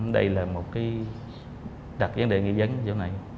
đây là một cái đặc vấn đề nghi dấn chỗ này